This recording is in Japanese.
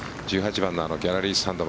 １８番のギャラリースタンド